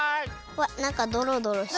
わっなんかドロドロしてる。